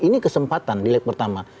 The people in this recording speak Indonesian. ini kesempatan di leg pertama